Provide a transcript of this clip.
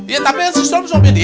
ya tapi yang si sulam soalnya dia